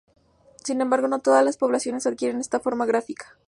Sin embargo, no todas las poblaciones adquieren esta forma gráfica.